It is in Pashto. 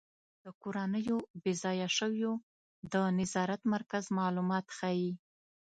د کورنیو بې ځایه شویو د نظارت مرکز معلومات ښيي.